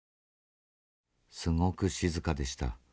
すごく静かでした。